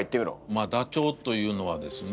まあダチョウというのはですね